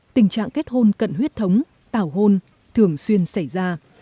tình trạng kết hôn cận huyết thống tảo hôn thường xuyên xảy ra